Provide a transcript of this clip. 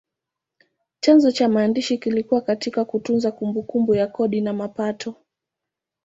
Chanzo cha maandishi kilikuwa katika kutunza kumbukumbu ya kodi na mapato.